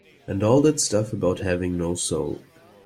And all that stuff about having no soul.